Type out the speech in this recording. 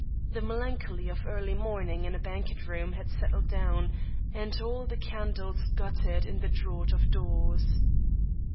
The melancholy of early morning in a banquet room had settled down, and all the candles guttered in the draught of doors.